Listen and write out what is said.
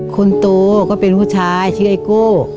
คนโตก็เป็นผู้ชายชื่อไอโก้